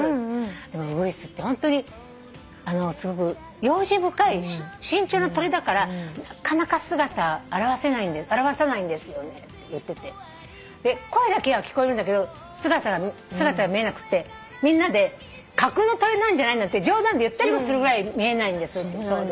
「でもウグイスってホントに用心深い慎重な鳥だからなかなか姿現さないんですよね」って言ってて声だけは聞こえるんだけど姿が見えなくてみんなで架空の鳥なんじゃない？なんて冗談で言ったりもするぐらい見えないんですよって。